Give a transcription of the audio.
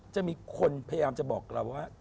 จะมีคนพยายามจะบอกเราว่า